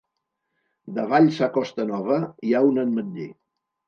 Davall sa costa nova hi ha un ametller